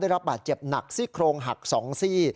ได้รับบาดเจ็บหนักซี่โครงหัก๒ซี่